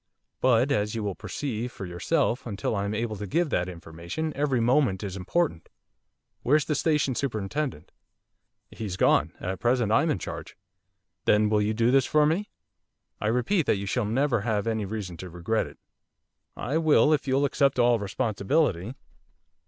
But, as you will perceive for yourself, until I am able to give that information every moment is important. Where's the Station Superintendent?' 'He's gone. At present I'm in charge.' 'Then will you do this for me? I repeat that you shall never have any reason to regret it.' 'I will if you'll accept all responsibility.